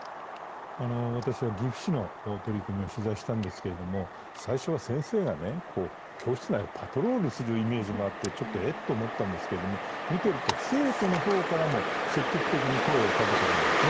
私は岐阜市の取り組みを取材したんですけれども、最初は先生が教室内をパトロールするイメージもあってちょっと「えっ」と思ったんですけれども、見ていると、生徒の方からも積極的に声をかけているんですね。